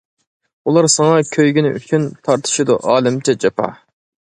ئۇلار ساڭا كۆيگىنى ئۈچۈن، تارتىشىدۇ ئالەمچە جاپا.